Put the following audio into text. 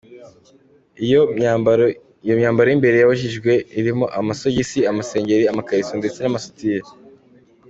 Iyo myambaro y’imbere yabujijwe irimo amasogisi, amasengeri, amakariso ndetse n’amasutiye.